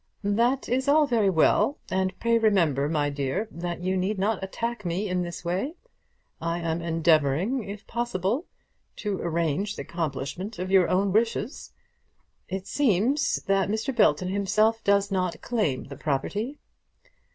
"That is all very well; and pray remember, my dear, that you need not attack me in this way. I am endeavouring, if possible, to arrange the accomplishment of your own wishes. It seems that Mr. Belton himself does not claim the property."